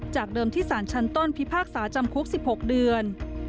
จากเดิมที่สารชั้นต้นพิพากษาจำคุก๑๖เดือน